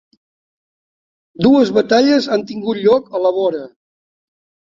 Dues batalles han tingut lloc a la vora.